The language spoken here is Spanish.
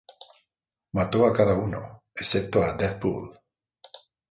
Mató a cada uno, excepto a Deadpool.